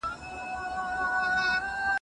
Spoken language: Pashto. سون یاټسن د غرب په کلتور کي روزل شوی و.